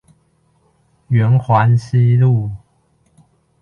圓環西路